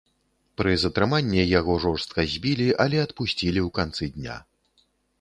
Пры затрыманні яго жорстка збілі, але адпусцілі ў канцы дня.